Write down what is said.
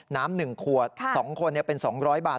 น้ำ๑ขวด๒คนเป็น๒๐๐บาท